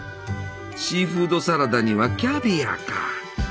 シーフードサラダにはキャビアか！